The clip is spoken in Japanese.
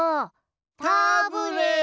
タブレットン！